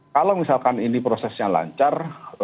kalau misalkan ini prosesnya lancar